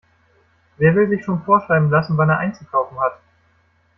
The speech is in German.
Wer will sich schon vorschreiben lassen, wann er einzukaufen hat?